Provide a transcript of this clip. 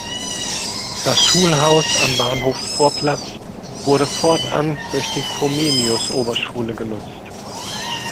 Das Schulhaus am Bahnhofsplatz wurde fortan durch die Comenius-Oberschule genutzt.